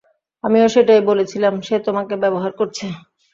আমিও সেটাই বলছিলাম, সে তোমাকে ব্যবহার করছে।